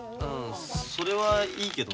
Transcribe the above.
それはいいけど。